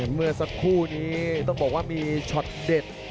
เมื่อสักครู่นี้ต้องบอกว่ามีช็อตเด็ด